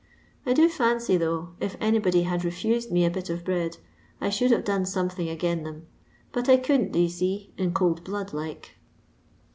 1 do fancy though, if anybody had refused me a bit of bread, I should have done something again them, but I couldn't, do you see, in cold blood like.